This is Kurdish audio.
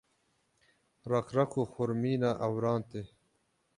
req req û xurmîna ewran tê.